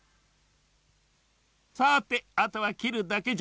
さてあとはきるだけじゃ。